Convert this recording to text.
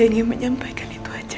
saya ingin menyampaikan itu saja